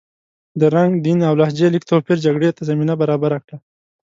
د رنګ، دین او لهجې لږ توپیر جګړې ته زمینه برابره کړه.